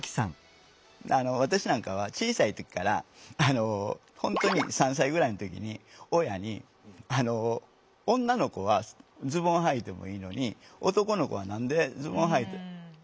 私なんかは小さい時から本当に３歳ぐらいの時に親に「女の子はズボンはいてもいいのに男の子は何でスカートはいたらあかんの？」